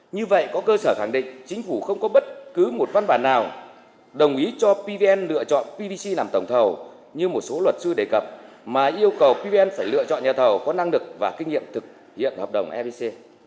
như vậy có cơ sở khẳng định chính phủ không có bất cứ một văn bản nào đồng ý cho pvn lựa chọn pvc làm tổng thầu như một số luật sư đề cập mà yêu cầu pvn phải lựa chọn nhà thầu có năng lực và kinh nghiệm thực hiện hợp đồng evc